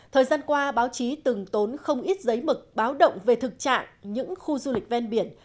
thời gian qua báo chí từng tốn không ít giấy mực báo động về thực trạng những khu du lịch ven biển